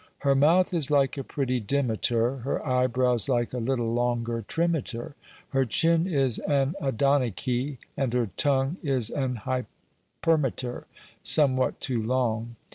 Her mouth is like a pretty Dimeter; Her eie brows like a little longer Trimeter. Her chinne is an adonicke, and her tongue Is an Hypermeter, somewhat too long.